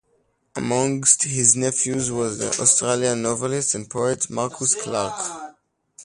Amongst his nephews was the Australian novelist and poet Marcus Clarke.